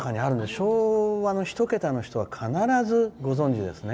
昭和の１桁の人は必ずご存じですね。